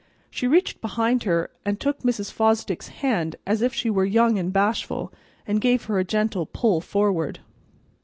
She reached behind her and took Mrs. Fosdick's hand as if she were young and bashful, and gave her a gentle pull forward.